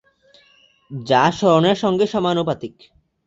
যা সরণের সঙ্গে সমানুপাতিক।